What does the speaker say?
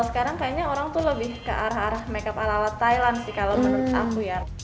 sekarang orang lebih ke arah makeup ala ala thailand